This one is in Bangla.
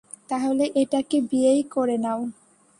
তাহলে এটাকে বিয়েই করে নাও?